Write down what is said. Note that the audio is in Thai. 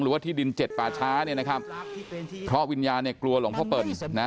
ว่าที่ดินเจ็ดป่าช้าเนี่ยนะครับเพราะวิญญาณเนี่ยกลัวหลวงพ่อเปิ่นนะ